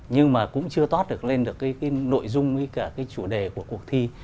nhưng mà cũng chưa toát lên được cái nội dung với cả cái chủ đề của cuộc thi